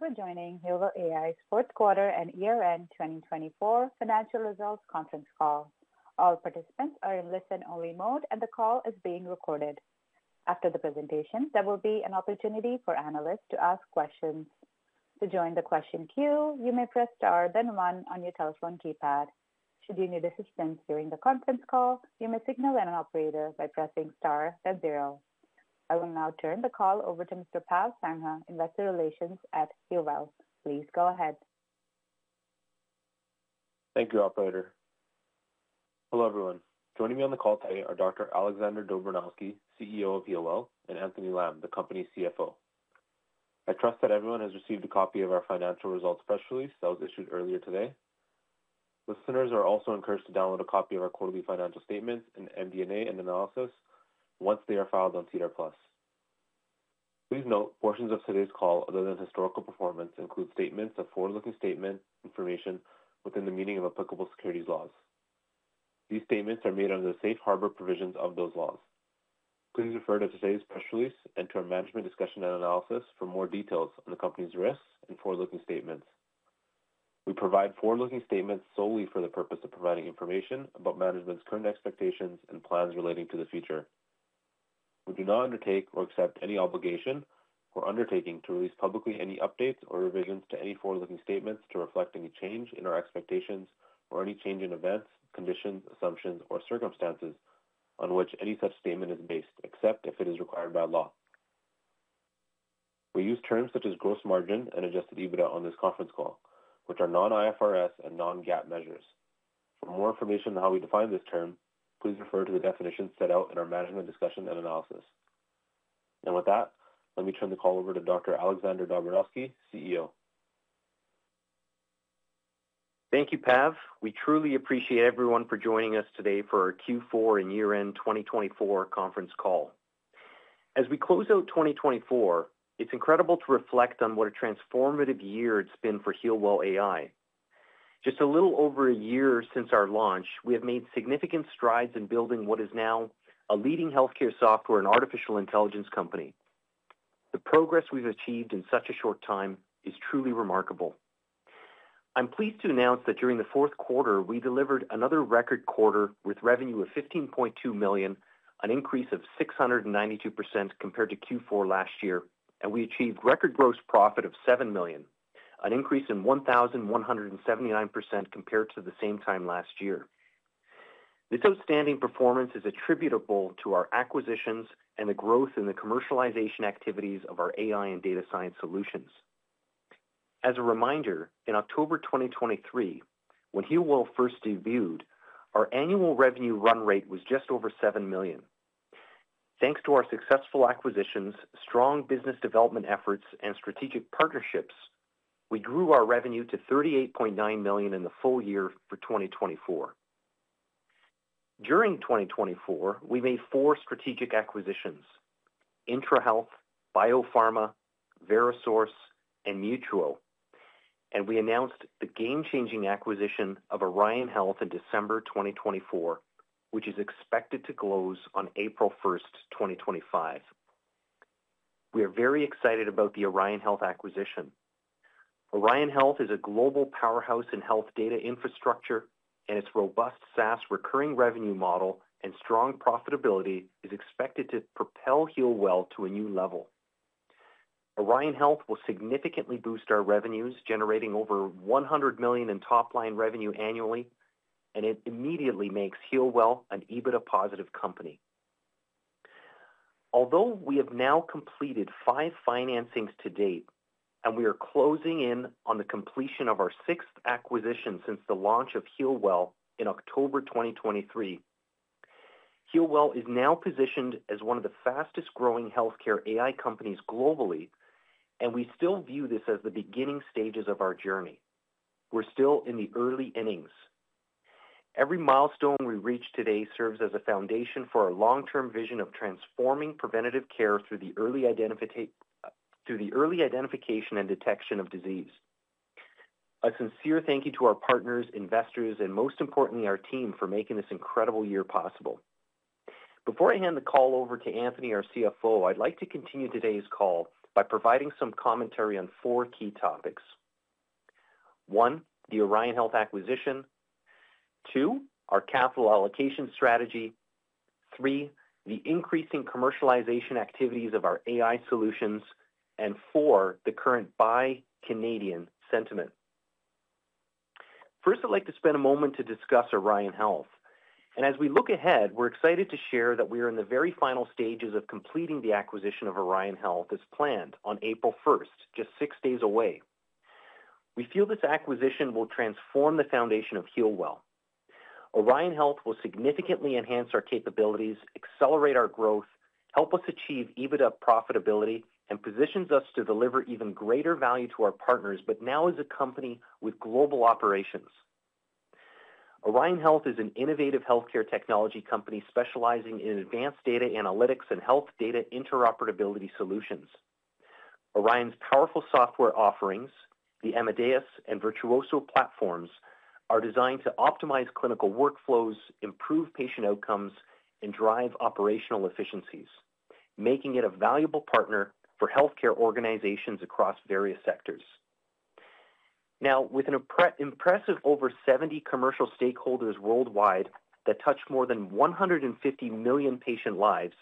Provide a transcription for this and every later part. Thank you for joining Healwell AI's fourth quarter and year-end 2024 financial results conference call. All participants are in listen-only mode, and the call is being recorded. After the presentation, there will be an opportunity for analysts to ask questions. To join the question queue, you may press star then one on your telephone keypad. Should you need assistance during the conference call, you may signal an operator by pressing star then zero. I will now turn the call over to Mr. Pav Sangha, Investor Relations at Healwell. Please go ahead. Thank you, Operator. Hello, everyone. Joining me on the call today are Dr. Alexander Dobranowski, CEO of Healwell AI, and Anthony Lam, the company's CFO. I trust that everyone has received a copy of our financial results press release that was issued earlier today. Listeners are also encouraged to download a copy of our quarterly financial statements and MD&A once they are filed on SEDAR+. Please note portions of today's call, other than historical performance, include statements of forward-looking statement information within the meaning of applicable securities laws. These statements are made under the safe harbor provisions of those laws. Please refer to today's press release and to our management discussion and analysis for more details on the company's risks and forward-looking statements. We provide forward-looking statements solely for the purpose of providing information about management's current expectations and plans relating to the future. We do not undertake or accept any obligation or undertaking to release publicly any updates or revisions to any forward-looking statements to reflect any change in our expectations or any change in events, conditions, assumptions, or circumstances on which any such statement is based, except if it is required by law. We use terms such as gross margin and adjusted EBITDA on this conference call, which are non-IFRS and non-GAAP measures. For more information on how we define this term, please refer to the definitions set out in our management discussion and analysis. With that, let me turn the call over to Dr. Alexander Dobranowski, CEO. Thank you, Pav. We truly appreciate everyone for joining us today for our Q4 and year-end 2024 conference call. As we close out 2024, it's incredible to reflect on what a transformative year it's been for Healwell AI. Just a little over a year since our launch, we have made significant strides in building what is now a leading healthcare software and artificial intelligence company. The progress we've achieved in such a short time is truly remarkable. I'm pleased to announce that during the fourth quarter, we delivered another record quarter with revenue of 15.2 million, an increase of 692% compared to Q4 last year, and we achieved record gross profit of 7 million, an increase in 1,179% compared to the same time last year. This outstanding performance is attributable to our acquisitions and the growth in the commercialization activities of our AI and data science solutions. As a reminder, in October 2023, when Healwell first debuted, our annual revenue run rate was just over 7 million. Thanks to our successful acquisitions, strong business development efforts, and strategic partnerships, we grew our revenue to 38.9 million in the full year for 2024. During 2024, we made four strategic acquisitions: IntraHealth, BioPharma, VeraSource, and Mutuo. We announced the game-changing acquisition of Orion Health in December 2024, which is expected to close on April 1st, 2025. We are very excited about the Orion Health acquisition. Orion Health is a global powerhouse in health data infrastructure, and its robust SaaS recurring revenue model and strong profitability is expected to propel Healwell to a new level. Orion Health will significantly boost our revenues, generating over 100 million in top-line revenue annually, and it immediately makes Healwell an EBITDA-positive company. Although we have now completed five financings to date, and we are closing in on the completion of our sixth acquisition since the launch of Healwell in October 2023, Healwell is now positioned as one of the fastest-growing healthcare AI companies globally, and we still view this as the beginning stages of our journey. We're still in the early innings. Every milestone we reach today serves as a foundation for our long-term vision of transforming preventative care through the early identification and detection of disease. A sincere thank you to our partners, investors, and most importantly, our team for making this incredible year possible. Before I hand the call over to Anthony, our CFO, I'd like to continue today's call by providing some commentary on four key topics. One, the Orion Health acquisition. Two, our capital allocation strategy. Three, the increasing commercialization activities of our AI solutions. are four, the current Buy Canadian sentiment. First, I'd like to spend a moment to discuss Orion Health. As we look ahead, we're excited to share that we are in the very final stages of completing the acquisition of Orion Health as planned on April 1, just six days away. We feel this acquisition will transform the foundation of Healwell. Orion Health will significantly enhance our capabilities, accelerate our growth, help us achieve EBITDA profitability, and position us to deliver even greater value to our partners, but now as a company with global operations. Orion Health is an innovative healthcare technology company specializing in advanced data analytics and health data interoperability solutions. Orion's powerful software offerings, the Amadeus and Virtuoso platforms, are designed to optimize clinical workflows, improve patient outcomes, and drive operational efficiencies, making it a valuable partner for healthcare organizations across various sectors. Now, with an impressive over 70 commercial stakeholders worldwide that touch more than 150 million patient lives,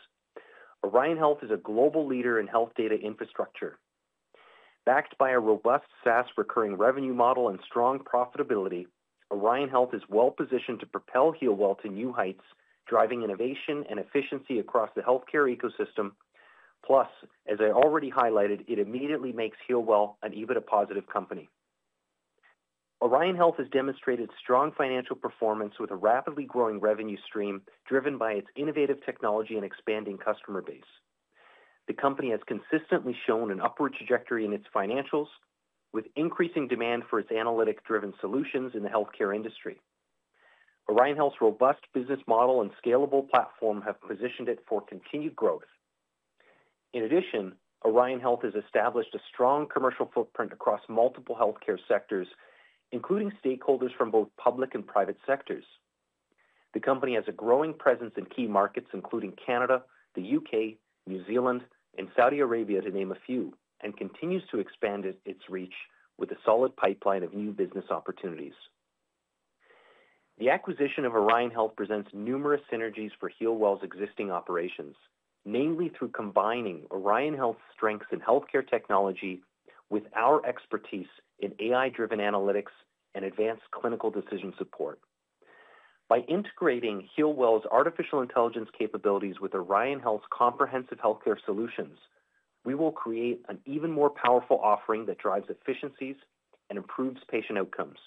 Orion Health is a global leader in health data infrastructure. Backed by a robust SaaS recurring revenue model and strong profitability, Orion Health is well-positioned to propel Healwell to new heights, driving innovation and efficiency across the healthcare ecosystem. Plus, as I already highlighted, it immediately makes Healwell an EBITDA-positive company. Orion Health has demonstrated strong financial performance with a rapidly growing revenue stream driven by its innovative technology and expanding customer base. The company has consistently shown an upward trajectory in its financials, with increasing demand for its analytic-driven solutions in the healthcare industry. Orion Health's robust business model and scalable platform have positioned it for continued growth. In addition, Orion Health has established a strong commercial footprint across multiple healthcare sectors, including stakeholders from both public and private sectors. The company has a growing presence in key markets, including Canada, the U.K., New Zealand, and Saudi Arabia, to name a few, and continues to expand its reach with a solid pipeline of new business opportunities. The acquisition of Orion Health presents numerous synergies for Healwell's existing operations, namely through combining Orion Health's strengths in healthcare technology with our expertise in AI-driven analytics and advanced clinical decision support. By integrating Healwell's artificial intelligence capabilities with Orion Health's comprehensive healthcare solutions, we will create an even more powerful offering that drives efficiencies and improves patient outcomes.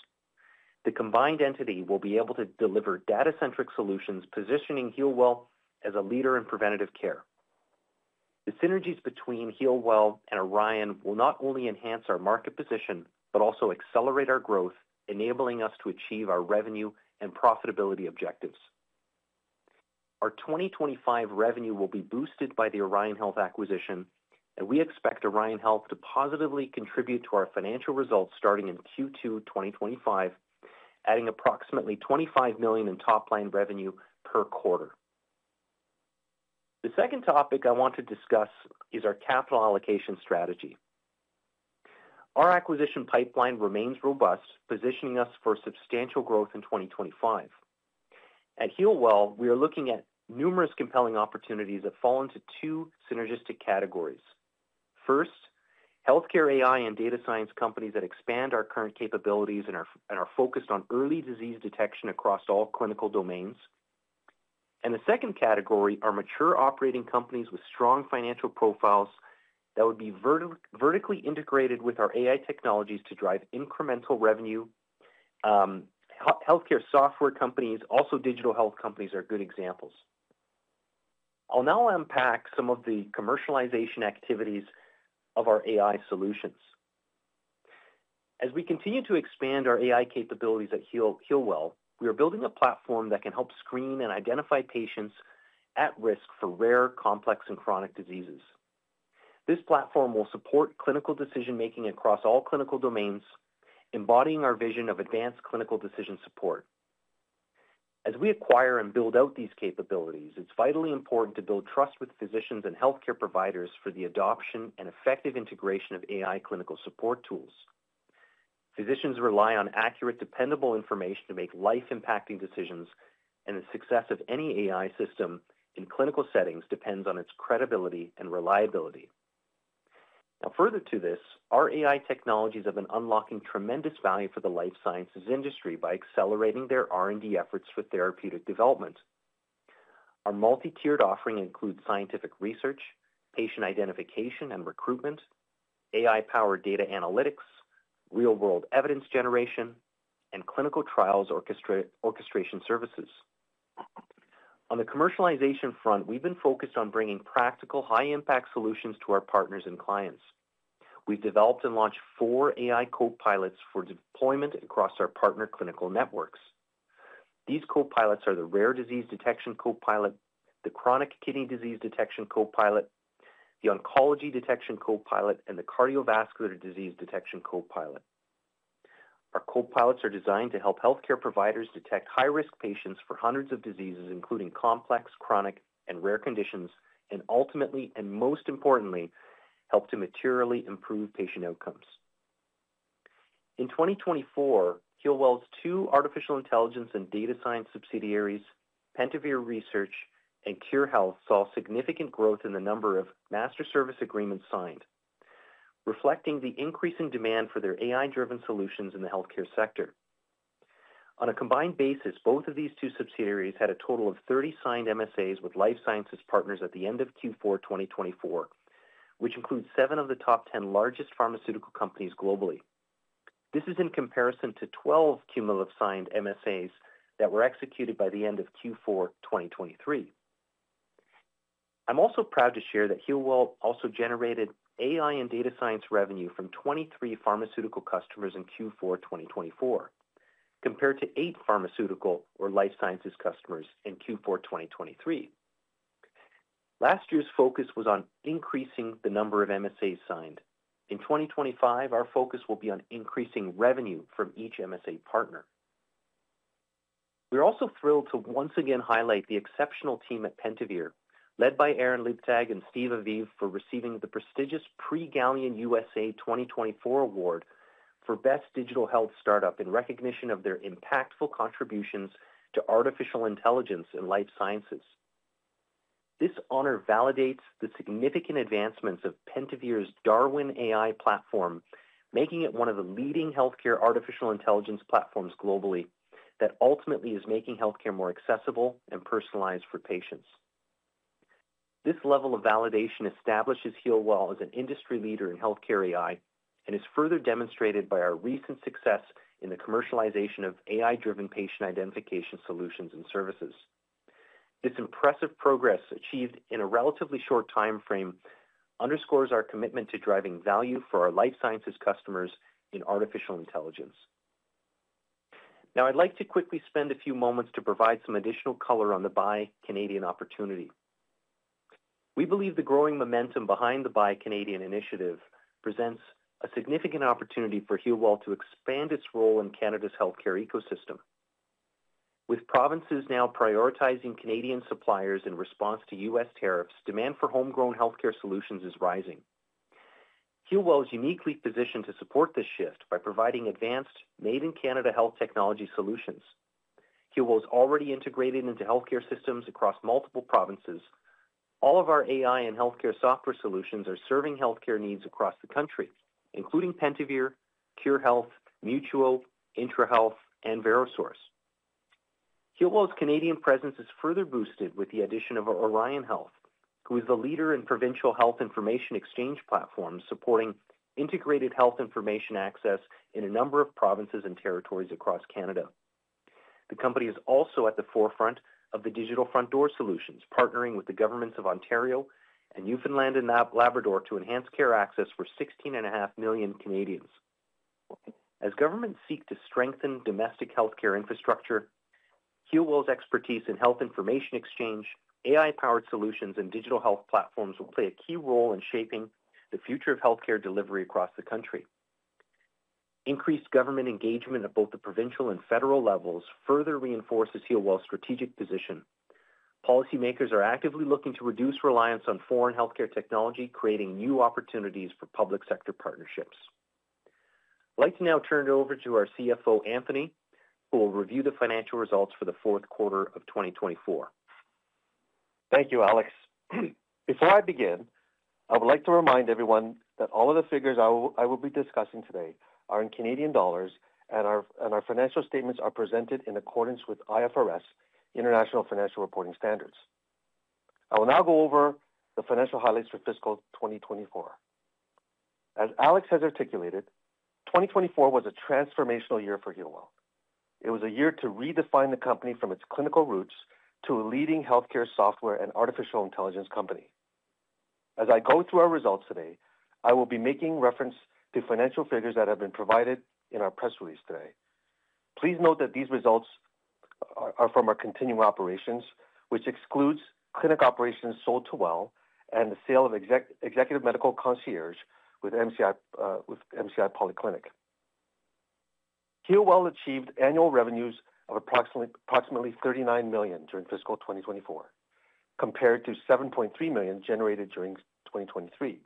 The combined entity will be able to deliver data-centric solutions, positioning Healwell as a leader in preventative care. The synergies between Healwell and Orion will not only enhance our market position, but also accelerate our growth, enabling us to achieve our revenue and profitability objectives. Our 2025 revenue will be boosted by the Orion Health acquisition, and we expect Orion Health to positively contribute to our financial results starting in Q2 2025, adding approximately 25 million in top-line revenue per quarter. The second topic I want to discuss is our capital allocation strategy. Our acquisition pipeline remains robust, positioning us for substantial growth in 2025. At Healwell, we are looking at numerous compelling opportunities that fall into two synergistic categories. First, healthcare AI and data science companies that expand our current capabilities and are focused on early disease detection across all clinical domains. The second category are mature operating companies with strong financial profiles that would be vertically integrated with our AI technologies to drive incremental revenue. Healthcare software companies, also digital health companies, are good examples. I'll now unpack some of the commercialization activities of our AI solutions. As we continue to expand our AI capabilities at Healwell, we are building a platform that can help screen and identify patients at risk for rare, complex, and chronic diseases. This platform will support clinical decision-making across all clinical domains, embodying our vision of advanced clinical decision support. As we acquire and build out these capabilities, it's vitally important to build trust with physicians and healthcare providers for the adoption and effective integration of AI clinical support tools. Physicians rely on accurate, dependable information to make life-impacting decisions, and the success of any AI system in clinical settings depends on its credibility and reliability. Now, further to this, our AI technologies have been unlocking tremendous value for the life sciences industry by accelerating their R&D efforts for therapeutic development. Our multi-tiered offering includes scientific research, patient identification and recruitment, AI-powered data analytics, real-world evidence generation, and clinical trials orchestration services. On the commercialization front, we've been focused on bringing practical, high-impact solutions to our partners and clients. We've developed and launched four AI copilots for deployment across our partner clinical networks. These copilots are the rare disease detection copilot, the chronic kidney disease detection copilot, the oncology detection copilot, and the cardiovascular disease detection copilot. Our copilots are designed to help healthcare providers detect high-risk patients for hundreds of diseases, including complex, chronic, and rare conditions, and ultimately, and most importantly, help to materially improve patient outcomes. In 2024, Healwell's two artificial intelligence and data science subsidiaries, Pentavere Research and Khure Health, saw significant growth in the number of master service agreements signed, reflecting the increasing demand for their AI-driven solutions in the healthcare sector. On a combined basis, both of these two subsidiaries had a total of 30 signed MSAs with life sciences partners at the end of Q4 2024, which includes seven of the top 10 largest pharmaceutical companies globally. This is in comparison to 12 cumulative signed MSAs that were executed by the end of Q4 2023. I'm also proud to share that Healwell also generated AI and data science revenue from 23 pharmaceutical customers in Q4 2024, compared to eight pharmaceutical or life sciences customers in Q4 2023. Last year's focus was on increasing the number of MSAs signed. In 2025, our focus will be on increasing revenue from each MSA partner. We're also thrilled to once again highlight the exceptional team at Pentavere, led by Aaron Leibtag and Steve Aviv, for receiving the prestigious Pre-Galian USA 2024 award for Best Digital Health Startup in recognition of their impactful contributions to artificial intelligence and life sciences. This honor validates the significant advancements of Pentavere's DARWEN AI platform, making it one of the leading healthcare artificial intelligence platforms globally that ultimately is making healthcare more accessible and personalized for patients. This level of validation establishes Healwell as an industry leader in healthcare AI and is further demonstrated by our recent success in the commercialization of AI-driven patient identification solutions and services. This impressive progress achieved in a relatively short timeframe underscores our commitment to driving value for our life sciences customers in artificial intelligence. Now, I'd like to quickly spend a few moments to provide some additional color on the Buy Canadian opportunity. We believe the growing momentum behind the Buy Canadian initiative presents a significant opportunity for Healwell to expand its role in Canada's healthcare ecosystem. With provinces now prioritizing Canadian suppliers in response to U.S. tariffs, demand for homegrown healthcare solutions is rising. Healwell is uniquely positioned to support this shift by providing advanced, made-in-Canada health technology solutions. Healwell is already integrated into healthcare systems across multiple provinces. All of our AI and healthcare software solutions are serving healthcare needs across the country, including Pentavere, Khure Health, Mutuo, IntraHealth, and VeraSource. Healwell's Canadian presence is further boosted with the addition of Orion Health, who is the leader in provincial health information exchange platforms supporting integrated health information access in a number of provinces and territories across Canada. The company is also at the forefront of the digital front door solutions, partnering with the governments of Ontario and Newfoundland and Labrador to enhance care access for 16.5 million Canadians. As governments seek to strengthen domestic healthcare infrastructure, Healwell's expertise in health information exchange, AI-powered solutions, and digital health platforms will play a key role in shaping the future of healthcare delivery across the country. Increased government engagement at both the provincial and federal levels further reinforces Healwell's strategic position. Policymakers are actively looking to reduce reliance on foreign healthcare technology, creating new opportunities for public sector partnerships. I'd like to now turn it over to our CFO, Anthony, who will review the financial results for the fourth quarter of 2024. Thank you, Alex. Before I begin, I would like to remind everyone that all of the figures I will be discussing today are in CAD, and our financial statements are presented in accordance with IFRS, International Financial Reporting Standards. I will now go over the financial highlights for fiscal 2024. As Alex has articulated, 2024 was a transformational year for Healwell. It was a year to redefine the company from its clinical roots to a leading healthcare software and artificial intelligence company. As I go through our results today, I will be making reference to financial figures that have been provided in our press release today. Please note that these results are from our continuing operations, which excludes clinic operations sold to WELL and the sale of executive medical concierge with MCI Polyclinic. Healwell achieved annual revenues of approximately 39 million during fiscal 2024, compared to 7.3 million generated during 2023.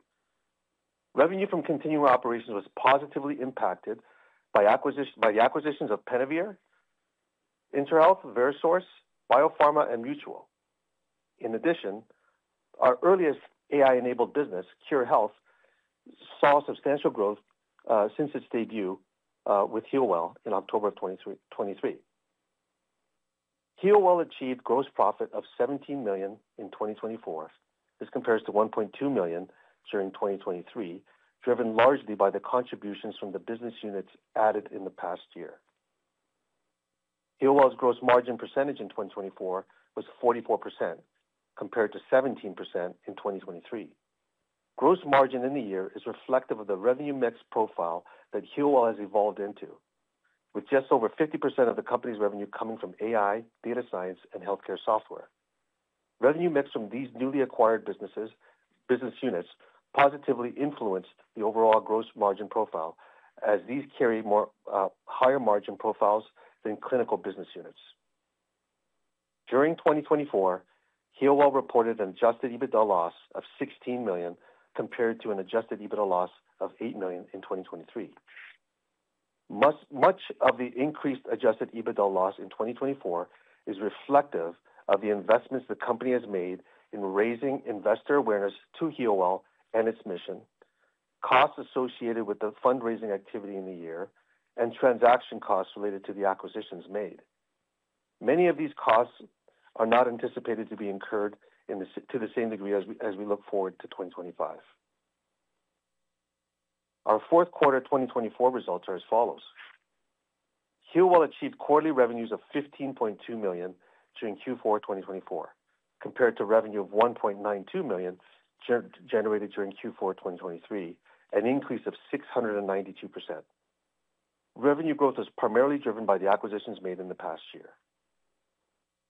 Revenue from continuing operations was positively impacted by the acquisitions of Pentavere, IntraHealth, VeraSource, BioPharma, and Mutuo. In addition, our earliest AI-enabled business, Khure Health, saw substantial growth since its debut with Healwell in October of 2023. Healwell achieved gross profit of CAD 17 million in 2024. This compares to CAD 1.2 million during 2023, driven largely by the contributions from the business units added in the past year. Healwell's gross margin percentage in 2024 was 44%, compared to 17% in 2023. Gross margin in the year is reflective of the revenue mix profile that Healwell has evolved into, with just over 50% of the company's revenue coming from AI, data science, and healthcare software. Revenue mix from these newly acquired business units positively influenced the overall gross margin profile, as these carry higher margin profiles than clinical business units. During 2024, Healwell AI reported an adjusted EBITDA loss of 16 million, compared to an adjusted EBITDA loss of 8 million in 2023. Much of the increased adjusted EBITDA loss in 2024 is reflective of the investments the company has made in raising investor awareness to Healwell AI and its mission, costs associated with the fundraising activity in the year, and transaction costs related to the acquisitions made. Many of these costs are not anticipated to be incurred to the same degree as we look forward to 2025. Our fourth quarter 2024 results are as follows. Healwell AI achieved quarterly revenues of 15.2 million during Q4 2024, compared to revenue of 1.92 million generated during Q4 2023, an increase of 692%. Revenue growth was primarily driven by the acquisitions made in the past year.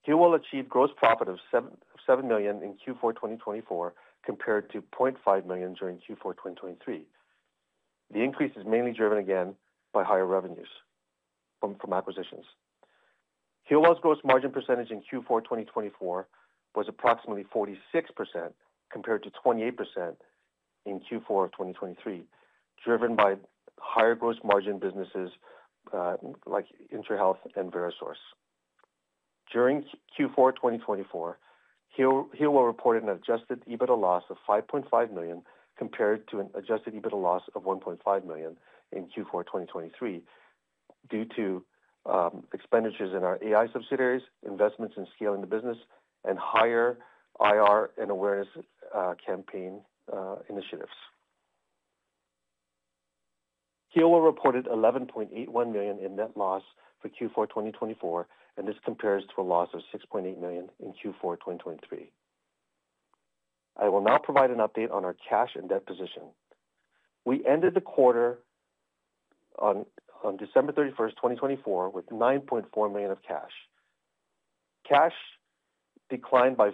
Healwell AI achieved gross profit of 7 million in Q4 2024, compared to 0.5 million during Q4 2023. The increase is mainly driven again by higher revenues from acquisitions. Healwell's gross margin percentage in Q4 2024 was approximately 46%, compared to 28% in Q4 2023, driven by higher gross margin businesses like IntraHealth and VeraSource. During Q4 2024, Healwell reported an adjusted EBITDA loss of $5.5 million, compared to an adjusted EBITDA loss of $1.5 million in Q4 2023, due to expenditures in our AI subsidiaries, investments in scaling the business, and higher IR and awareness campaign initiatives. Healwell reported $11.81 million in net loss for Q4 2024, and this compares to a loss of $6.8 million in Q4 2023. I will now provide an update on our cash and debt position. We ended the quarter on December 31st, 2024, with $9.4 million of cash. Cash declined by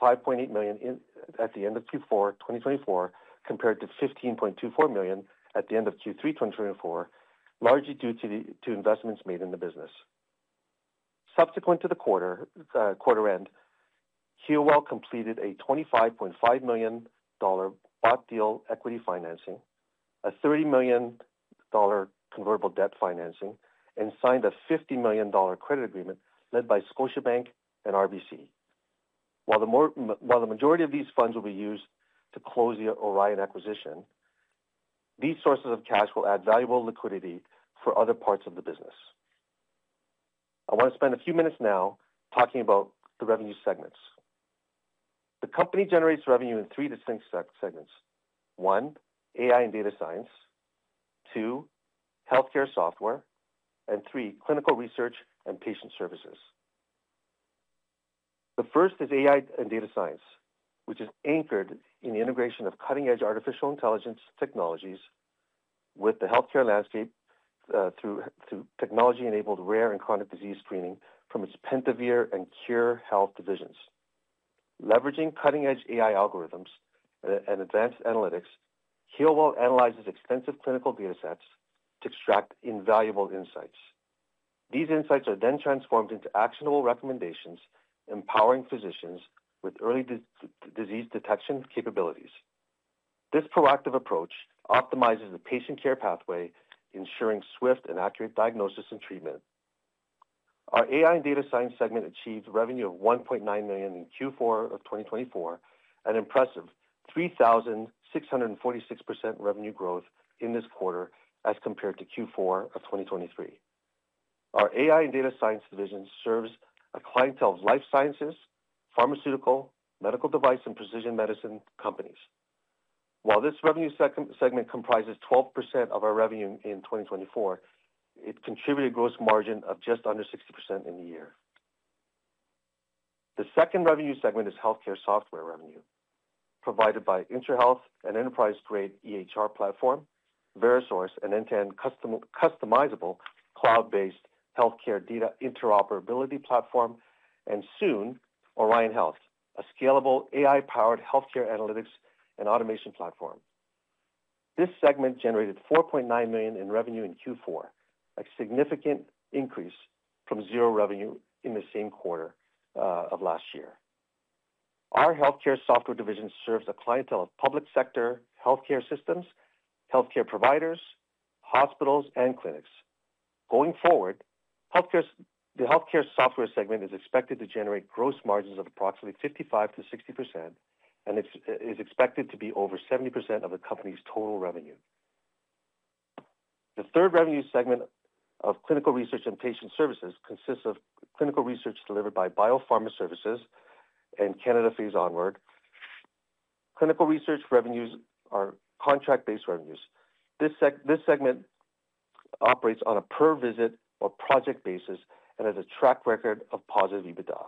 5.8 million at the end of Q4 2024, compared to 15.24 million at the end of Q3 2024, largely due to investments made in the business. Subsequent to the quarter end, Healwell completed a 25.5 million dollar bought deal equity financing, a 30 million dollar convertible debt financing, and signed a 50 million dollar credit agreement led by Scotiabank and RBC. While the majority of these funds will be used to close the Orion Health acquisition, these sources of cash will add valuable liquidity for other parts of the business. I want to spend a few minutes now talking about the revenue segments. The company generates revenue in three distinct segments: one, AI and data science; two, healthcare software; and three, clinical research and patient services. The first is AI and data science, which is anchored in the integration of cutting-edge artificial intelligence technologies with the healthcare landscape through technology-enabled rare and chronic disease screening from its Pentavere and Khure Health divisions. Leveraging cutting-edge AI algorithms and advanced analytics, Healwell analyzes extensive clinical data sets to extract invaluable insights. These insights are then transformed into actionable recommendations, empowering physicians with early disease detection capabilities. This proactive approach optimizes the patient care pathway, ensuring swift and accurate diagnosis and treatment. Our AI and data science segment achieved revenue of 1.9 million in Q4 of 2024, an impressive 3,646% revenue growth in this quarter as compared to Q4 of 2023. Our AI and data science division serves a clientele of life sciences, pharmaceutical, medical device, and precision medicine companies. While this revenue segment comprises 12% of our revenue in 2024, it contributed gross margin of just under 60% in the year. The second revenue segment is healthcare software revenue, provided by IntraHealth, an enterprise-grade EHR platform, VeraSource, an end-to-end customizable cloud-based healthcare data interoperability platform, and soon, Orion Health, a scalable AI-powered healthcare analytics and automation platform. This segment generated 4.9 million in revenue in Q4, a significant increase from zero revenue in the same quarter of last year. Our healthcare software division serves a clientele of public sector healthcare systems, healthcare providers, hospitals, and clinics. Going forward, the healthcare software segment is expected to generate gross margins of approximately 55%-60%, and it is expected to be over 70% of the company's total revenue. The third revenue segment of clinical research and patient services consists of clinical research delivered by BioPharma Services and Canada Phase Onward. Clinical research revenues are contract-based revenues. This segment operates on a per-visit or project basis and has a track record of positive EBITDA.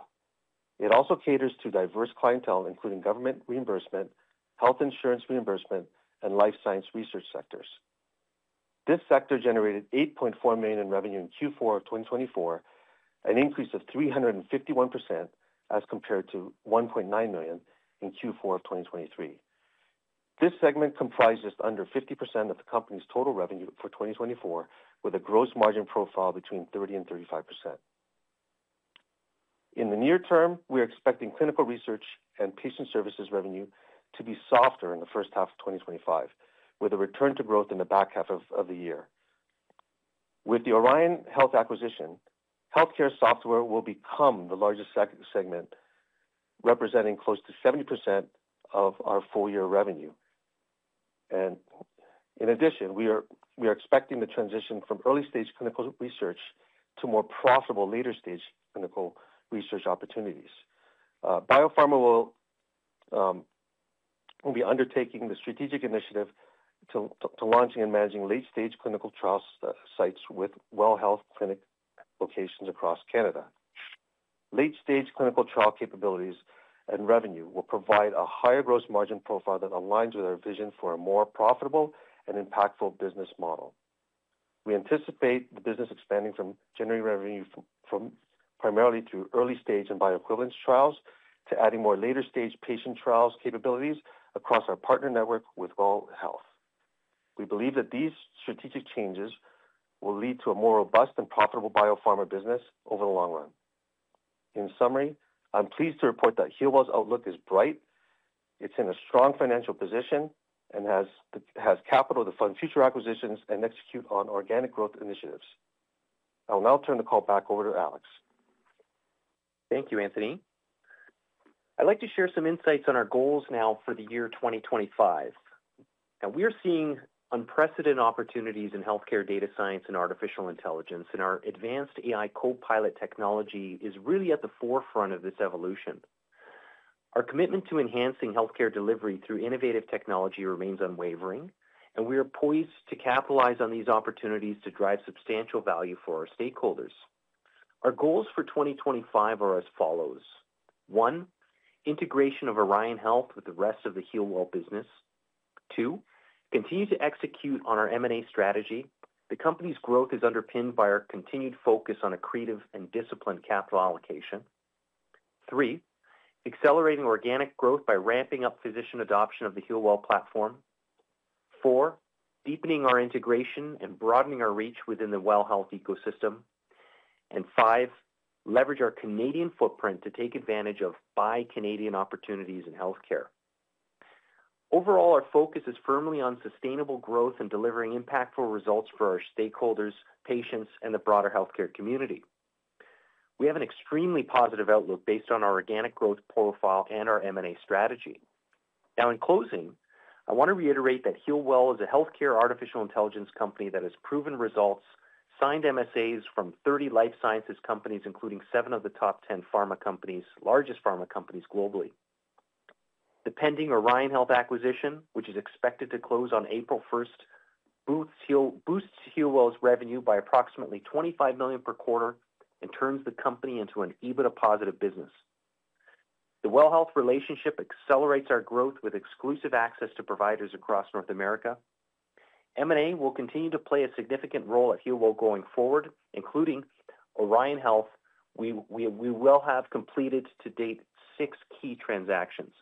It also caters to diverse clientele, including government reimbursement, health insurance reimbursement, and life science research sectors. This sector generated 8.4 million in revenue in Q4 of 2024, an increase of 351% as compared to 1.9 million in Q4 of 2023. This segment comprises just under 50% of the company's total revenue for 2024, with a gross margin profile between 30%-35%. In the near term, we are expecting clinical research and patient services revenue to be softer in the first half of 2025, with a return to growth in the back half of the year. With the Orion Health acquisition, healthcare software will become the largest segment, representing close to 70% of our full-year revenue. In addition, we are expecting the transition from early-stage clinical research to more profitable later-stage clinical research opportunities. BioPharma will be undertaking the strategic initiative to launching and managing late-stage clinical trial sites with WELL Health clinic locations across Canada. Late-stage clinical trial capabilities and revenue will provide a higher gross margin profile that aligns with our vision for a more profitable and impactful business model. We anticipate the business expanding from generating revenue primarily through early-stage and bioequivalence trials to adding more later-stage patient trials capabilities across our partner network with WELL Health. We believe that these strategic changes will lead to a more robust and profitable BioPharma business over the long run. In summary, I'm pleased to report that Healwell's outlook is bright. It's in a strong financial position and has capital to fund future acquisitions and execute on organic growth initiatives. I will now turn the call back over to Alex. Thank you, Anthony. I'd like to share some insights on our goals now for the year 2025. Now, we are seeing unprecedented opportunities in healthcare data science and artificial intelligence, and our advanced AI copilot technology is really at the forefront of this evolution. Our commitment to enhancing healthcare delivery through innovative technology remains unwavering, and we are poised to capitalize on these opportunities to drive substantial value for our stakeholders. Our goals for 2025 are as follows. One, integration of Orion Health with the rest of the Healwell business. Two, continue to execute on our M&A strategy. The company's growth is underpinned by our continued focus on a creative and disciplined capital allocation. Three, accelerating organic growth by ramping up physician adoption of the Healwell platform. Four, deepening our integration and broadening our reach within the WELL Health ecosystem. Leverage our Canadian footprint to take advantage of Buy Canadian opportunities in healthcare. Overall, our focus is firmly on sustainable growth and delivering impactful results for our stakeholders, patients, and the broader healthcare community. We have an extremely positive outlook based on our organic growth profile and our M&A strategy. Now, in closing, I want to reiterate that Healwell is a healthcare artificial intelligence company that has proven results, signed MSAs from 30 life sciences companies, including seven of the top 10 largest pharma companies globally. The pending Orion Health acquisition, which is expected to close on April 1, boosts Healwell's revenue by approximately 25 million per quarter and turns the company into an EBITDA positive business. The WELL Health relationship accelerates our growth with exclusive access to providers across North America. M&A will continue to play a significant role at Healwell going forward, including Orion Health. We will have completed to date six key transactions.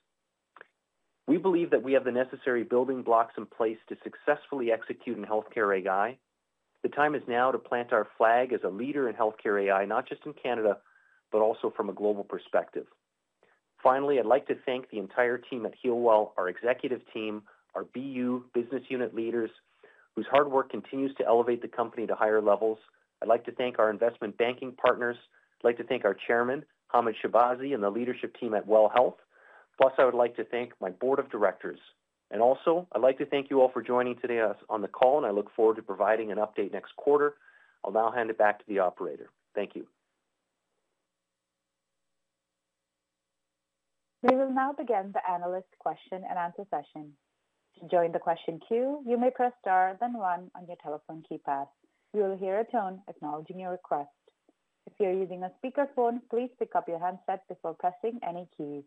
We believe that we have the necessary building blocks in place to successfully execute in healthcare AI. The time is now to plant our flag as a leader in healthcare AI, not just in Canada, but also from a global perspective. Finally, I'd like to thank the entire team at Healwell, our executive team, our BU business unit leaders, whose hard work continues to elevate the company to higher levels. I'd like to thank our investment banking partners. I'd like to thank our chairman, Hamid Shahbazi, and the leadership team at WELL Health. Plus, I would like to thank my board of directors. Also, I'd like to thank you all for joining today on the call, and I look forward to providing an update next quarter. I'll now hand it back to the operator. Thank you. We will now begin the analyst question and answer session. To join the question queue, you may press star, then one on your telephone keypad. You will hear a tone acknowledging your request. If you're using a speakerphone, please pick up your handset before pressing any keys.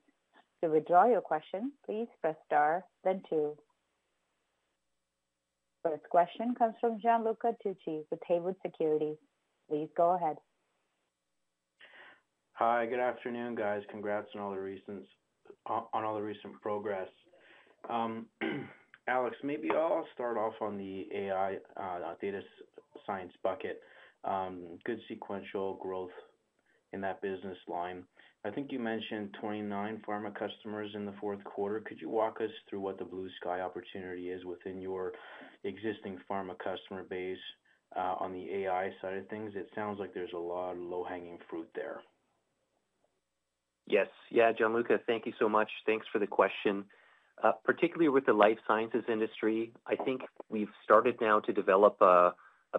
To withdraw your question, please press star, then two. First question comes from Gianluca Tucci with Haywood Securities. Please go ahead. Hi, good afternoon, guys. Congrats on all the recent progress. Alex, maybe I'll start off on the AI data science bucket. Good sequential growth in that business line. I think you mentioned 29 pharma customers in the fourth quarter. Could you walk us through what the blue sky opportunity is within your existing pharma customer base on the AI side of things? It sounds like there's a lot of low-hanging fruit there. Yes. Yeah, Gianluca, thank you so much. Thanks for the question. Particularly with the life sciences industry, I think we've started now to develop a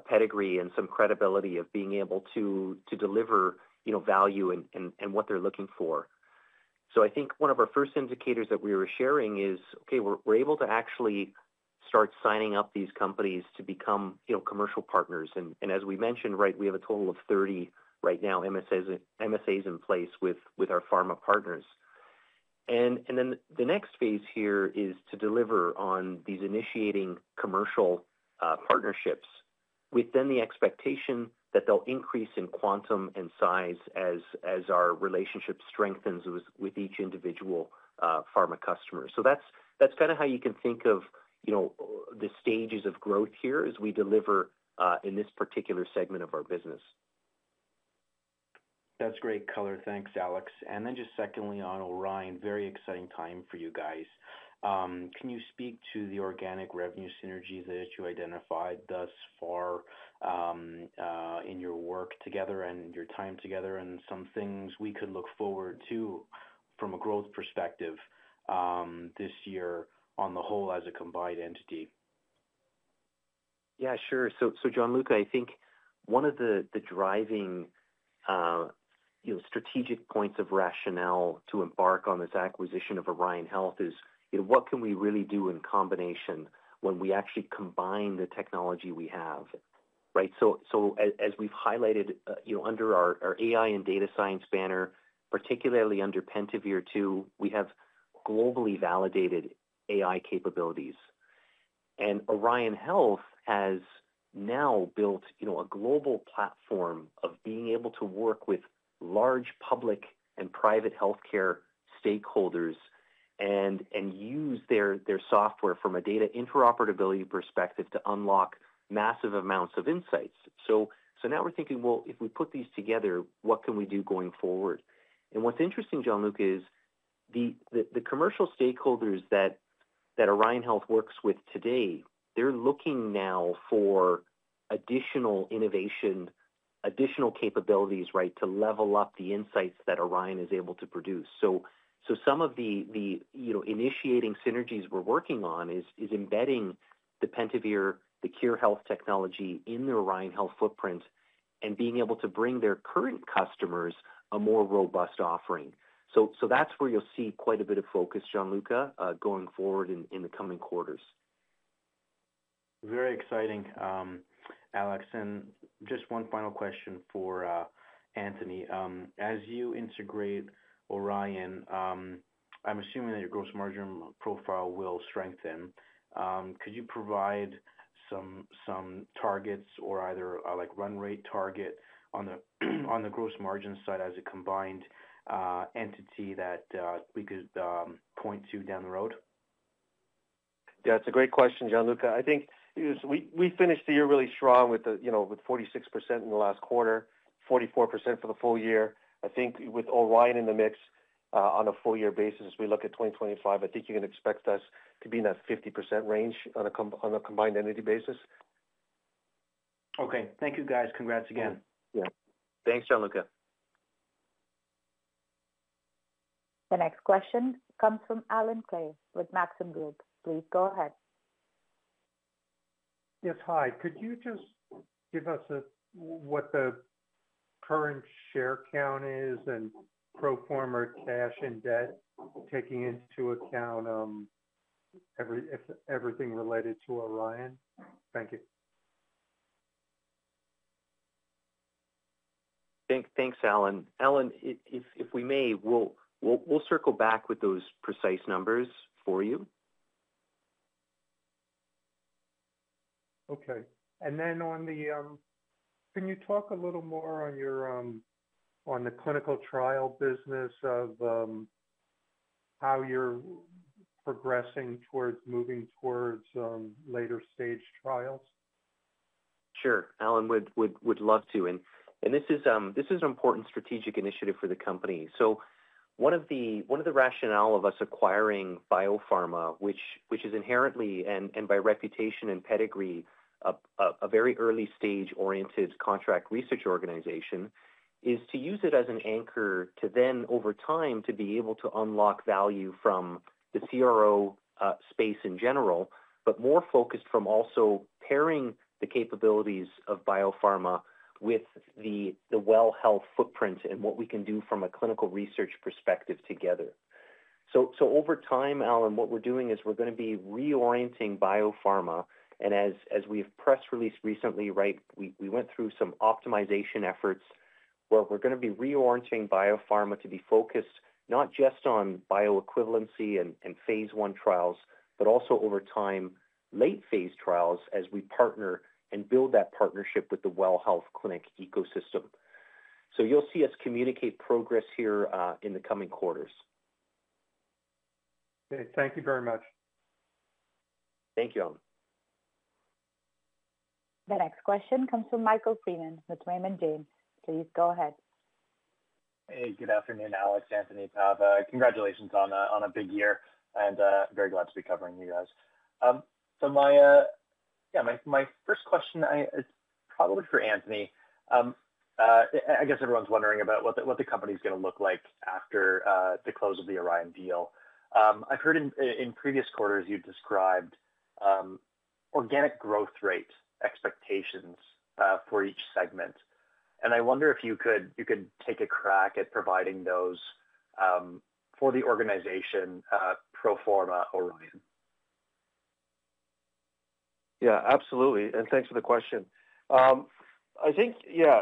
pedigree and some credibility of being able to deliver value and what they're looking for. I think one of our first indicators that we were sharing is, okay, we're able to actually start signing up these companies to become commercial partners. As we mentioned, we have a total of 30 right now, MSAs in place with our pharma partners. The next phase here is to deliver on these initiating commercial partnerships within the expectation that they'll increase in quantum and size as our relationship strengthens with each individual pharma customer. That's kind of how you can think of the stages of growth here as we deliver in this particular segment of our business. That's great color. Thanks, Alex. Then just secondly on Orion, very exciting time for you guys. Can you speak to the organic revenue synergies that you identified thus far in your work together and your time together and some things we could look forward to from a growth perspective this year on the whole as a combined entity? Yeah, sure. Gianluca, I think one of the driving strategic points of rationale to embark on this acquisition of Orion Health is what can we really do in combination when we actually combine the technology we have, right? As we've highlighted under our AI and data science banner, particularly under Pentavere too, we have globally validated AI capabilities. Orion Health has now built a global platform of being able to work with large public and private healthcare stakeholders and use their software from a data interoperability perspective to unlock massive amounts of insights. Now we're thinking, if we put these together, what can we do going forward? What's interesting, Gianluca, is the commercial stakeholders that Orion Health works with today, they're looking now for additional innovation, additional capabilities, right, to level up the insights that Orion is able to produce. Some of the initiating synergies we're working on is embedding the Pentavere, the Khure Health technology in their Orion Health footprint and being able to bring their current customers a more robust offering. That's where you'll see quite a bit of focus, Gianluca, going forward in the coming quarters. Very exciting, Alex. Just one final question for Anthony. As you integrate Orion, I'm assuming that your gross margin profile will strengthen. Could you provide some targets or either a run rate target on the gross margin side as a combined entity that we could point to down the road? Yeah, it's a great question, Gianluca. I think we finished the year really strong with 46% in the last quarter, 44% for the full year. I think with Orion in the mix on a full year basis, as we look at 2025, I think you can expect us to be in that 50% range on a combined entity basis. Okay. Thank you, guys. Congrats again. Yeah. Thanks, Gianluca. The next question comes from Allen Klee with Maxim Group. Please go ahead. Yes, hi. Could you just give us what the current share count is and pro forma cash and debt taking into account everything related to Orion? Thank you. Thanks, Alan. Alan, if we may, we'll circle back with those precise numbers for you. Okay. Can you talk a little more on the clinical trial business of how you're progressing towards moving towards later-stage trials? Sure. Alan would love to. This is an important strategic initiative for the company. One of the rationale of us acquiring BioPharma, which is inherently and by reputation and pedigree a very early-stage oriented contract research organization, is to use it as an anchor to then, over time, be able to unlock value from the CRO space in general, but more focused from also pairing the capabilities of BioPharma with the WELL Health footprint and what we can do from a clinical research perspective together. Over time, Alan, what we're doing is we're going to be reorienting BioPharma. As we have pressed release recently, right, we went through some optimization efforts where we are going to be reorienting BioPharma to be focused not just on bioequivalency and phase I trials, but also over time, late-phase trials as we partner and build that partnership with the WELL Health clinic ecosystem. You will see us communicate progress here in the coming quarters. Thank you very much. Thank you, Alan. The next question comes from Michael Freeman with Raymond James. Please go ahead. Hey, good afternoon, Alex, Anthony, Pava. Congratulations on a big year. Very glad to be covering you guys. My first question is probably for Anthony. I guess everyone's wondering about what the company is going to look like after the close of the Orion deal. I have heard in previous quarters you described organic growth rate expectations for each segment. I wonder if you could take a crack at providing those for the organization pro forma Orion. Yeah, absolutely. Thanks for the question. I think, yeah,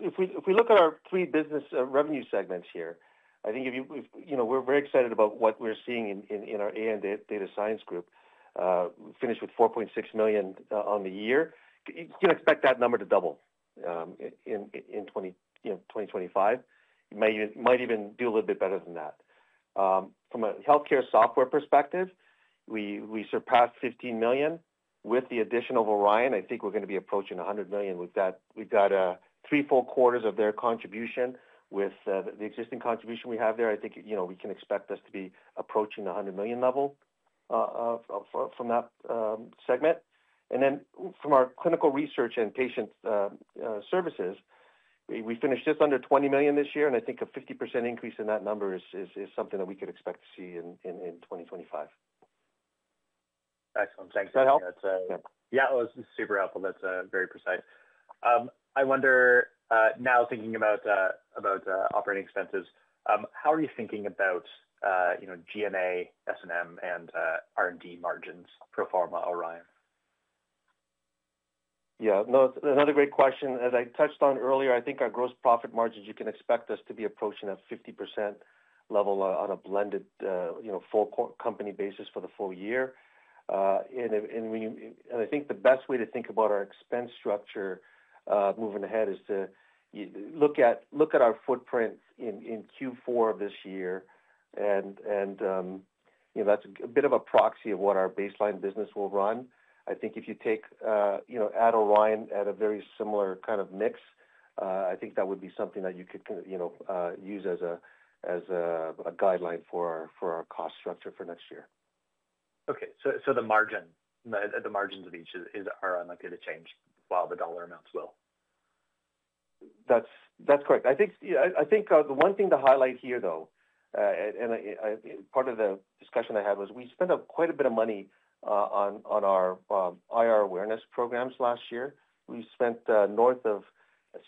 if we look at our three business revenue segments here, I think we're very excited about what we're seeing in our AI and data science group. We finished with 4.6 million on the year. You can expect that number to double in 2025. It might even do a little bit better than that. From a healthcare software perspective, we surpassed 15 million. With the addition of Orion, I think we're going to be approaching 100 million. We've got three full quarters of their contribution. With the existing contribution we have there, I think we can expect us to be approaching the 100 million level from that segment. From our clinical research and patient services, we finished just under 20 million this year. I think a 50% increase in that number is something that we could expect to see in 2025. Excellent. Thanks. That helps. Yeah, it was super helpful. That's very precise. I wonder now, thinking about operating expenses, how are you thinking about G&A, S&M, and R&D margins pro forma Orion? Yeah. No, that's another great question. As I touched on earlier, I think our gross profit margins, you can expect us to be approaching a 50% level on a blended full company basis for the full year. I think the best way to think about our expense structure moving ahead is to look at our footprint in Q4 of this year. That's a bit of a proxy of what our baseline business will run. I think if you take at Orion at a very similar kind of mix, I think that would be something that you could use as a guideline for our cost structure for next year. Okay. So the margin, the margins of each are unlikely to change while the dollar amounts will. That's correct. I think the one thing to highlight here, though, and part of the discussion I had was we spent quite a bit of money on our IR awareness programs last year. We spent north of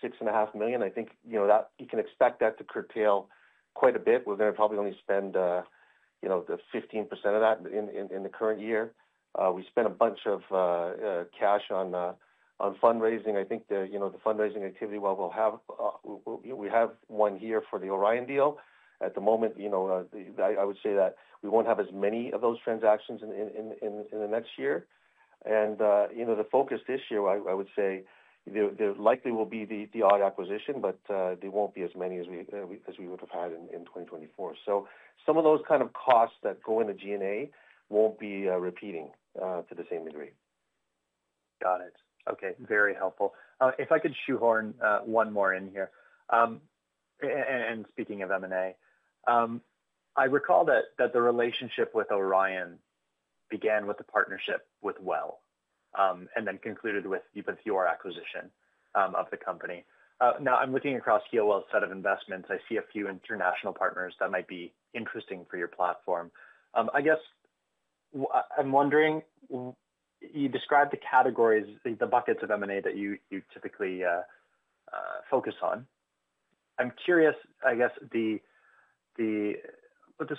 6.5 million. I think you can expect that to curtail quite a bit. We're going to probably only spend the 15% of that in the current year. We spent a bunch of cash on fundraising. I think the fundraising activity, while we'll have we have one year for the Orion deal. At the moment, I would say that we won't have as many of those transactions in the next year. The focus this year, I would say, there likely will be the odd acquisition, but there won't be as many as we would have had in 2024. Some of those kind of costs that go into GNA won't be repeating to the same degree. Got it. Okay. Very helpful. If I could shoehorn one more in here. Speaking of M&A, I recall that the relationship with Orion began with the partnership with WELL and then concluded with your acquisition of the company. Now, I'm looking across WELL set of investments. I see a few international partners that might be interesting for your platform. I guess I'm wondering, you described the categories, the buckets of M&A that you typically focus on. I'm curious, I guess, what the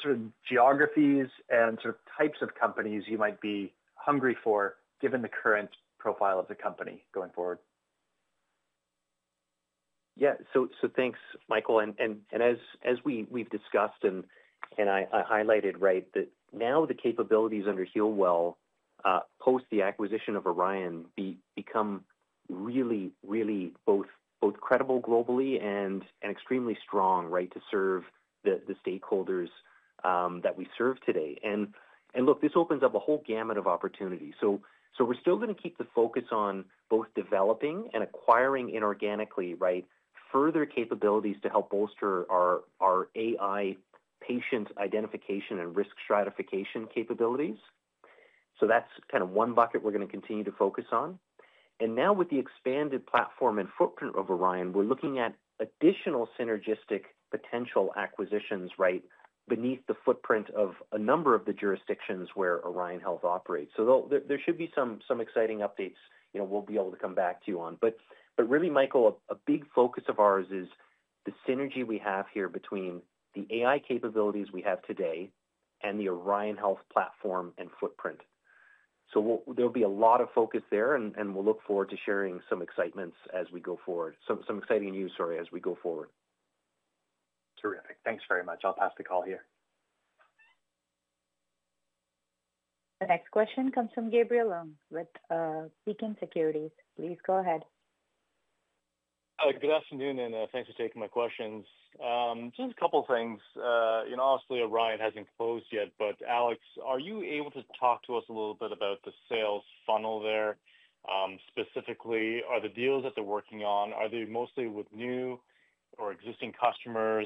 sort of geographies and sort of types of companies you might be hungry for given the current profile of the company going forward. Yeah. Thanks, Michael. As we've discussed and I highlighted, right, now the capabilities under Healwell post the acquisition of Orion become really, really both credible globally and extremely strong, right, to serve the stakeholders that we serve today. Look, this opens up a whole gamut of opportunity. We're still going to keep the focus on both developing and acquiring inorganically, right, further capabilities to help bolster our AI patient identification and risk stratification capabilities. That's kind of one bucket we're going to continue to focus on. Now with the expanded platform and footprint of Orion, we're looking at additional synergistic potential acquisitions, right, beneath the footprint of a number of the jurisdictions where Orion Health operates. There should be some exciting updates we'll be able to come back to you on. Really, Michael, a big focus of ours is the synergy we have here between the AI capabilities we have today and the Orion Health platform and footprint. There will be a lot of focus there, and we'll look forward to sharing some excitements as we go forward. Some exciting news, sorry, as we go forward. Terrific. Thanks very much. I'll pass the call here. The next question comes from Gabriel Leung with Beacon Securities. Please go ahead. Good afternoon, and thanks for taking my questions. Just a couple of things. Obviously, Orion has not closed yet, but Alex, are you able to talk to us a little bit about the sales funnel there? Specifically, are the deals that they are working on, are they mostly with new or existing customers?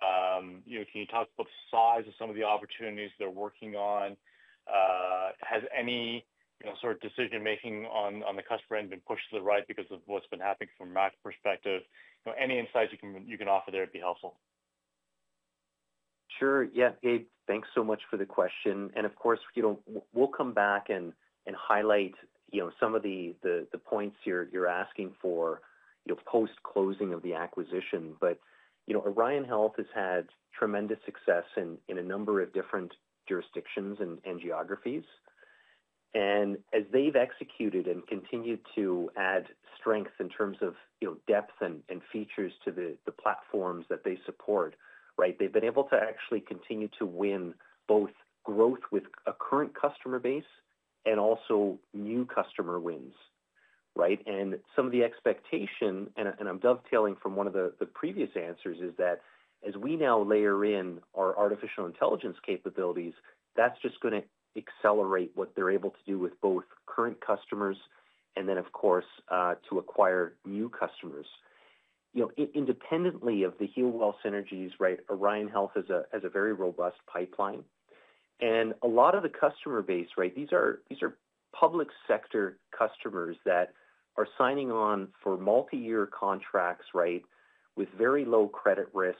Can you talk about the size of some of the opportunities they are working on? Has any sort of decision-making on the customer end been pushed to the right because of what has been happening from a MAC perspective? Any insights you can offer there would be helpful. Sure. Yeah, Gabe, thanks so much for the question. Of course, we will come back and highlight some of the points you are asking for post-closing of the acquisition. Orion Health has had tremendous success in a number of different jurisdictions and geographies. As they've executed and continued to add strength in terms of depth and features to the platforms that they support, they've been able to actually continue to win both growth with a current customer base and also new customer wins, right? Some of the expectation, and I'm dovetailing from one of the previous answers, is that as we now layer in our artificial intelligence capabilities, that's just going to accelerate what they're able to do with both current customers and then, of course, to acquire new customers. Independently of the Healwell synergies, Orion Health has a very robust pipeline. A lot of the customer base, these are public sector customers that are signing on for multi-year contracts with very low credit risk.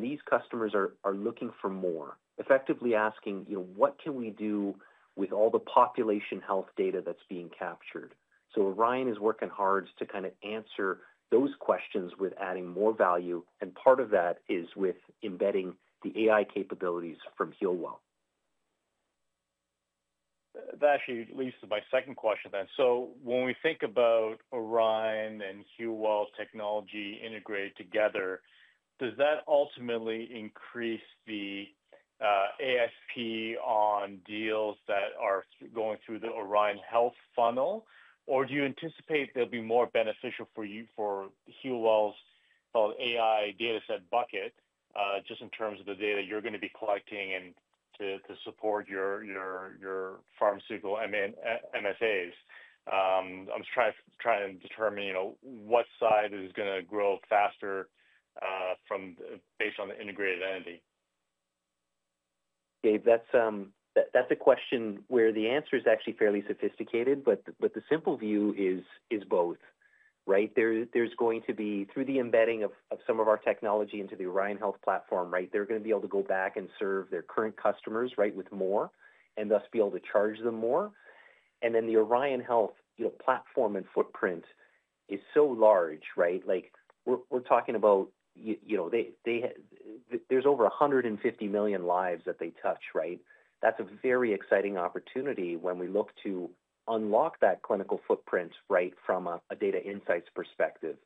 These customers are looking for more, effectively asking, "What can we do with all the population health data that's being captured?" Orion is working hard to kind of answer those questions with adding more value. Part of that is with embedding the AI capabilities from Healwell. That actually leads to my second question then. When we think about Orion and Healwell technology integrated together, does that ultimately increase the ASP on deals that are going through the Orion Health funnel, or do you anticipate they'll be more beneficial for Healwell's AI dataset bucket just in terms of the data you're going to be collecting and to support your pharmaceutical MFAs? I'm just trying to determine what side is going to grow faster based on the integrated entity. Gabe, that's a question where the answer is actually fairly sophisticated, but the simple view is both, right? There's going to be, through the embedding of some of our technology into the Orion Health platform, right, they're going to be able to go back and serve their current customers, right, with more and thus be able to charge them more. The Orion Health platform and footprint is so large, right? We're talking about there's over 150 million lives that they touch, right? That's a very exciting opportunity when we look to unlock that clinical footprint, right, from a data insights perspective.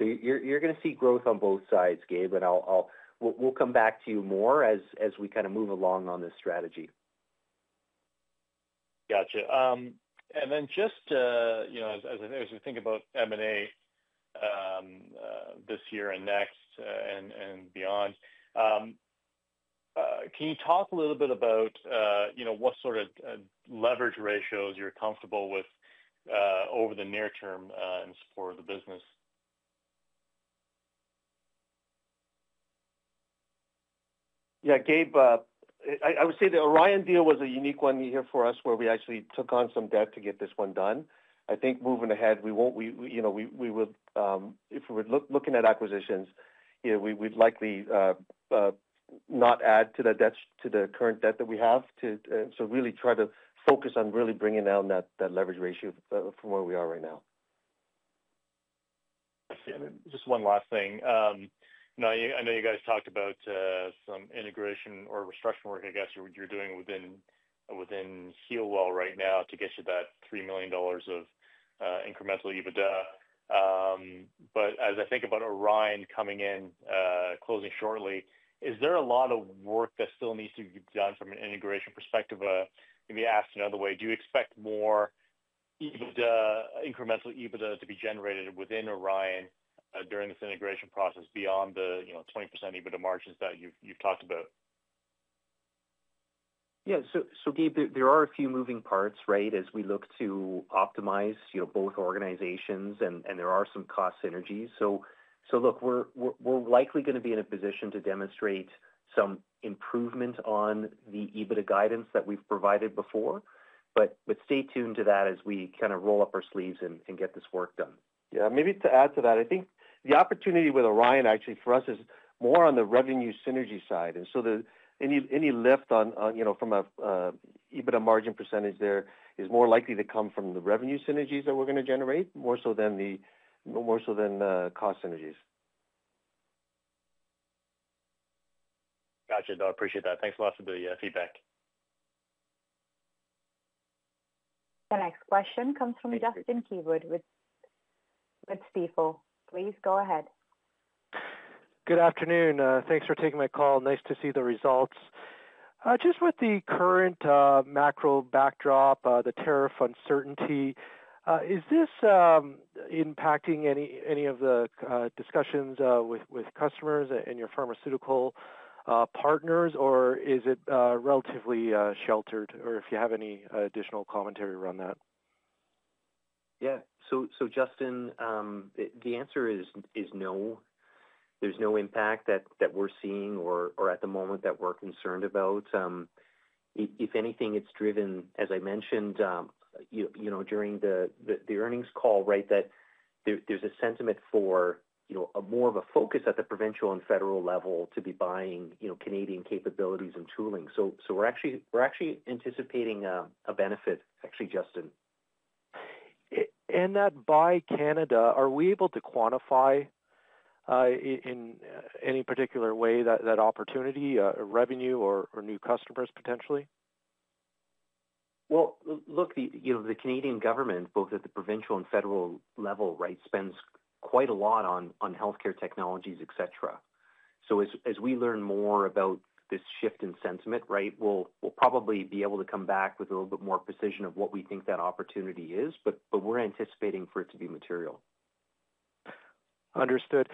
You're going to see growth on both sides, Gabe, and we'll come back to you more as we kind of move along on this strategy. Gotcha. Just as we think about M&A this year and next and beyond, can you talk a little bit about what sort of leverage ratios you're comfortable with over the near term and support the business? Yeah, Gabe, I would say the Orion deal was a unique one here for us where we actually took on some debt to get this one done. I think moving ahead, we will, if we were looking at acquisitions, we'd likely not add to the current debt that we have. Really try to focus on really bringing down that leverage ratio from where we are right now. Just one last thing. I know you guys talked about some integration or restructuring work, I guess, you're doing within Healwell right now to get you that 3 million dollars of incremental EBITDA. As I think about Orion coming in, closing shortly, is there a lot of work that still needs to be done from an integration perspective? Maybe asked another way. Do you expect more incremental EBITDA to be generated within Orion during this integration process beyond the 20% EBITDA margins that you've talked about? Yeah. So Gabe, there are a few moving parts, right, as we look to optimize both organizations, and there are some cost synergies. Look, we're likely going to be in a position to demonstrate some improvement on the EBITDA guidance that we've provided before. Stay tuned to that as we kind of roll up our sleeves and get this work done. Yeah. Maybe to add to that, I think the opportunity with Orion actually for us is more on the revenue synergy side. Any lift from an EBITDA margin percentage there is more likely to come from the revenue synergies that we're going to generate more so than the cost synergies. Gotcha. No, I appreciate that. Thanks lots for the feedback. The next question comes from Justin Keywood with Stifel. Please go ahead. Good afternoon. Thanks for taking my call. Nice to see the results. Just with the current macro backdrop, the tariff uncertainty, is this impacting any of the discussions with customers and your pharmaceutical partners, or is it relatively sheltered? If you have any additional commentary around that. Yeah. Justin, the answer is no. There is no impact that we are seeing or at the moment that we are concerned about. If anything, it has driven, as I mentioned during the earnings call, right, that there is a sentiment for more of a focus at the provincial and federal level to be buying Canadian capabilities and tooling. We are actually anticipating a benefit, actually, Justin. That Buy Canadian, are we able to quantify in any particular way that opportunity, revenue, or new customers potentially? Look, the Canadian government, both at the provincial and federal level, right, spends quite a lot on healthcare technologies, etc. As we learn more about this shift in sentiment, right, we'll probably be able to come back with a little bit more precision of what we think that opportunity is, but we're anticipating for it to be material. Understood.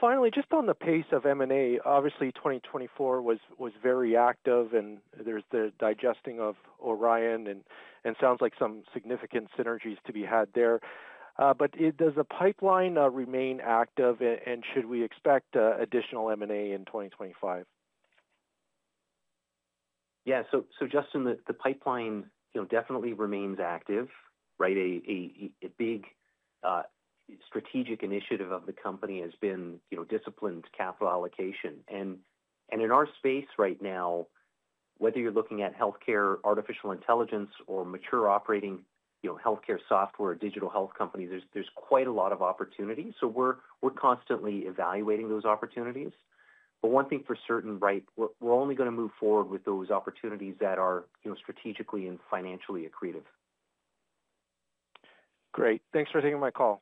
Finally, just on the pace of M&A, obviously 2024 was very active, and there's the digesting of Orion, and it sounds like some significant synergies to be had there. Does the pipeline remain active, and should we expect additional M&A in 2025? Yeah. Justin, the pipeline definitely remains active, right? A big strategic initiative of the company has been disciplined capital allocation. In our space right now, whether you're looking at healthcare, artificial intelligence, or mature operating healthcare software or digital health companies, there's quite a lot of opportunity. We're constantly evaluating those opportunities. One thing for certain, we're only going to move forward with those opportunities that are strategically and financially accretive. Great. Thanks for taking my call.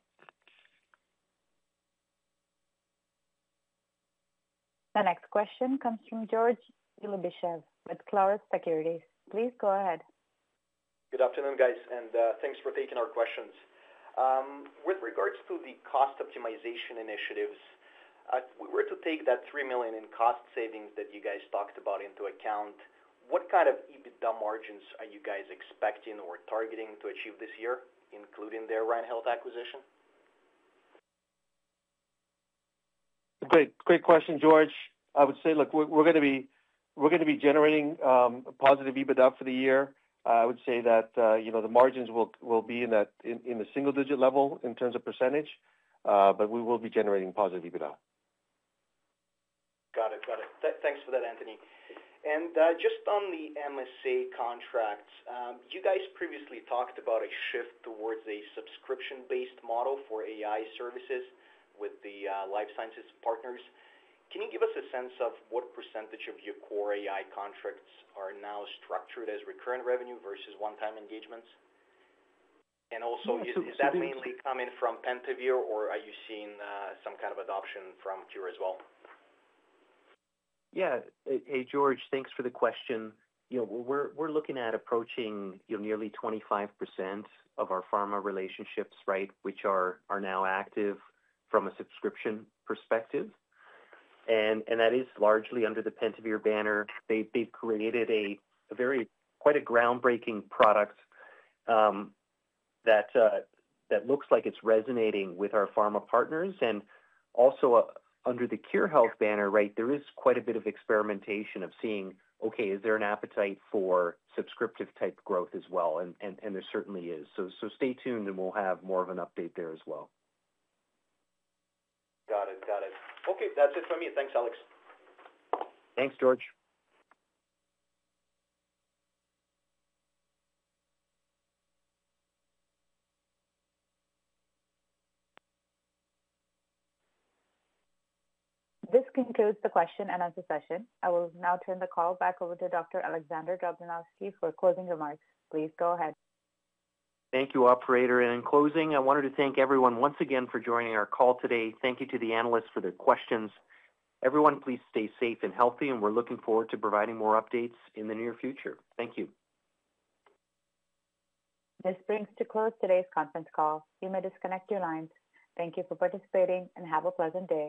The next question comes from George Ulybyshev with Clarus Securities. Please go ahead. Good afternoon, guys, and thanks for taking our questions. With regards to the cost optimization initiatives, if we were to take that 3 million in cost savings that you guys talked about into account, what kind of EBITDA margins are you guys expecting or targeting to achieve this year, including the Orion Health acquisition? Great question, George. I would say, look, we're going to be generating positive EBITDA for the year. I would say that the margins will be in the single-digit level in terms of percentage, but we will be generating positive EBITDA. Got it. Got it. Thanks for that, Anthony. Just on the MSA contracts, you guys previously talked about a shift towards a subscription-based model for AI services with the life sciences partners. Can you give us a sense of what percentage of your core AI contracts are now structured as recurrent revenue versus one-time engagements? Also, is that mainly coming from Pentavere, or are you seeing some kind of adoption from Khure Health as well? Yeah. Hey, George, thanks for the question. We're looking at approaching nearly 25% of our pharma relationships, right, which are now active from a subscription perspective. That is largely under the Pentavere banner. They've created quite a groundbreaking product that looks like it's resonating with our pharma partners. Also under the Khure Health banner, right, there is quite a bit of experimentation of seeing, okay, is there an appetite for subscriptive-type growth as well? There certainly is. Stay tuned, and we'll have more of an update there as well. Got it. Got it. Okay. That's it from me. Thanks, Alex. Thanks, George. This concludes the question and answer session. I will now turn the call back over to Dr. Alexander Dobranowski for closing remarks. Please go ahead. Thank you, Operator. In closing, I wanted to thank everyone once again for joining our call today. Thank you to the analysts for their questions. Everyone, please stay safe and healthy, and we're looking forward to providing more updates in the near future. Thank you. This brings to a close today's conference call. You may disconnect your lines. Thank you for participating and have a pleasant day.